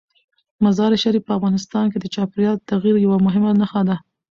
مزارشریف په افغانستان کې د چاپېریال د تغیر یوه مهمه نښه ده.